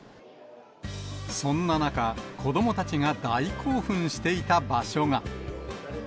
そんな中、子どもたちが大興奮していた場所が。